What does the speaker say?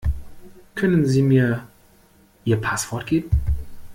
Können sie mir ihr Passwort geben?